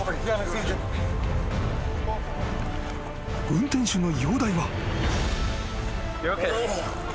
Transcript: ［運転手の容体は？］